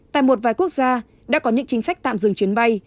tại một vài quốc gia đã có những chính sách tạm dừng chuyến bay